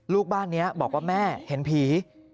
ลูกบ้านนี้บอกว่าแม่เห็นผี